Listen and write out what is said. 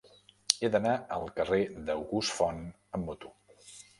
He d'anar al carrer d'August Font amb moto.